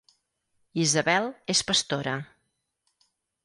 Isabel és pastora